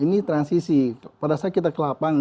ini transisi pada saat kita ke lapangan